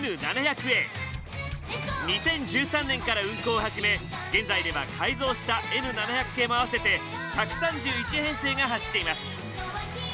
２０１３年から運行を始め現在では改造したＮ７００系も合わせて１３１編成が走っています。